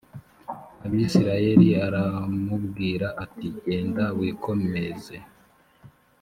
abisirayeli aramubwira ati genda wikomeze